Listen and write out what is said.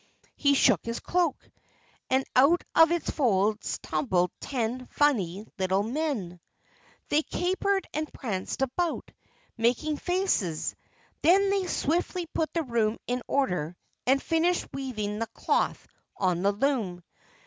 He shook his cloak, and out of its folds tumbled ten funny little men. They capered and pranced about, making faces. Then they swiftly put the room in order and finished weaving the cloth on the loom.